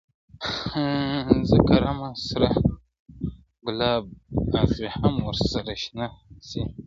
زه کرمه سره ګلاب ازغي هم ور سره شنه سي,